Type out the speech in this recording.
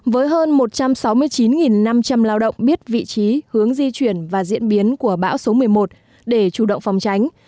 với hơn một trăm sáu mươi chín năm trăm linh lao động biết vị trí hướng di chuyển và diễn biến của bão số một mươi một để chủ động phòng tránh